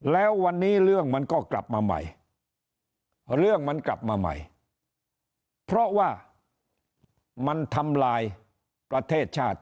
แล้ววันนี้เรื่องมันก็กลับมาใหม่เพราะว่ามันทำลายประเทศชาติ